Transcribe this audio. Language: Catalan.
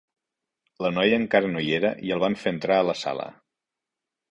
La noia encare no hi era i el van fer entrar a la sala